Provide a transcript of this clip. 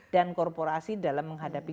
dan korporasi dalam menghadapi